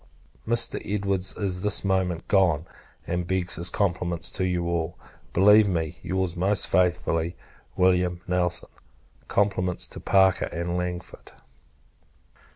Mr. Edwards is this moment gone, and begs his compliments to you all. Believe me, your's most faithfully, Wm. NELSON. Compliments to Parker and Langford.